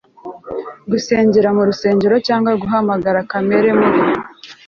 Gusengera mu rusengero Cyangwa guhamagara Kamere muri